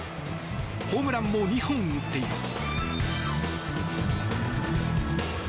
ホームランも２本打っています。